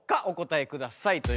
お答えください。